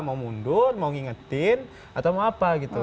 mau mundur mau ngingetin atau mau apa gitu